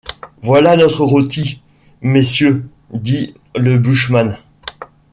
Voilà notre rôti, messieurs, dit le bushman.